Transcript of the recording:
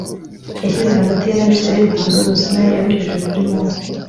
yashyize hagati ye n abisirayeli ku musozi wa sinayi abinyujije kuri mose